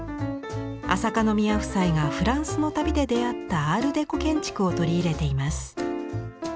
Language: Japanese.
朝香宮夫妻がフランスの旅で出会ったアール・デコ建築を取り入れています。